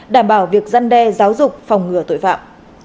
đảm bảo việc dân đe giáo dục phòng ngừa tội phạm